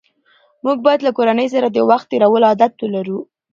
موږ باید له کورنۍ سره د وخت تېرولو عادت ولرو